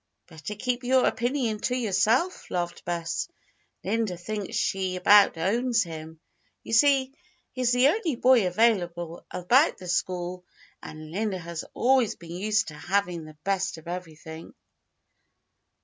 "Better keep your opinion to yourself," laughed Bess. "Linda thinks she about owns him. You see, he's the only boy available about the school and Linda has always been used to having the best of everything."